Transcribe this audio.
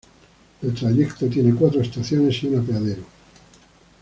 El trayecto tiene cuatro estaciones y un apeadero.